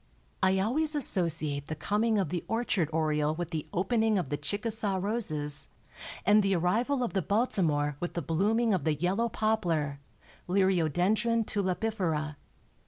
I always associate the coming of the orchard oriole with the opening of the Chickasaw roses, and the arrival of the Baltimore with the blooming of the yellow poplar (Liriodendron tulipifera).